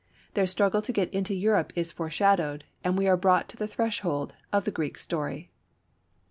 Their struggle to get into Europe is foreshadowed and we are brought to the threshold of the Greek story.